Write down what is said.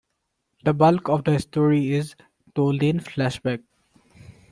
The bulk of the story is told in flashback.